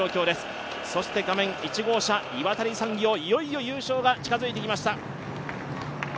そして１号車、岩谷産業、いよいよ優勝が近づいてきました。